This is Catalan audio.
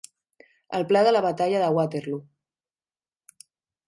El pla de la batalla de Waterloo.